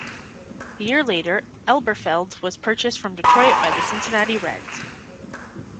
A year later, Elberfeld was purchased from Detroit by the Cincinnati Reds.